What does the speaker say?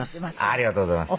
ありがとうございます。